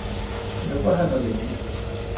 Nu var han alene.